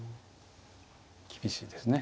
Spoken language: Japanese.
厳しいですね。